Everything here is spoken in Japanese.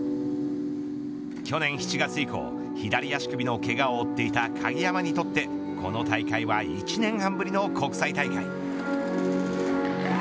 去年７月以降、左足首のけがを負っていた鍵山にとってこの大会は１年半ぶりの国際大会。